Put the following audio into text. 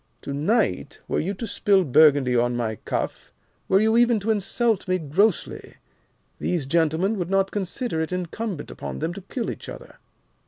To night, were you to spill Burgundy on my cuff, were you even to insult me grossly, these gentlemen would not consider it incumbent upon them to kill each other.